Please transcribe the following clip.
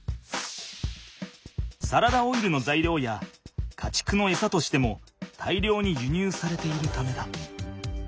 サラダオイルの材料や家畜の餌としても大量に輸入されているためだ。